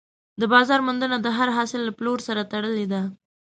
د بازار موندنه د هر حاصل له پلور سره تړلې ده.